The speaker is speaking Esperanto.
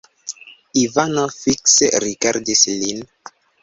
Ivano fikse rigardis lin.